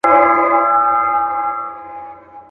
سپیني سپیني مرغلري.